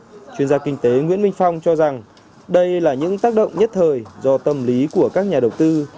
các chuyên gia kinh tế nguyễn minh phong cho rằng đây là những tác động nhất thời do tâm lý của các nhà đầu tư